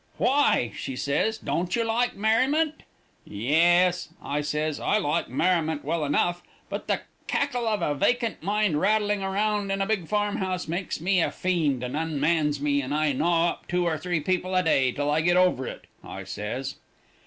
'Why,' she says, 'don't you like merriment?' 'Yes,' I says, 'I like merriment well enough, but the cackle of a vacant mind rattling around in a big farmhouse makes me a fiend, and unmans me, and I gnaw up two or three people a day till I get over it,' I says."